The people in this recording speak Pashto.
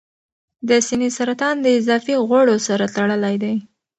د سینې سرطان د اضافي غوړو سره تړلی دی.